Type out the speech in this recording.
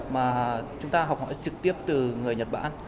mà chúng ta học hỏi trực tiếp từ người nhật bản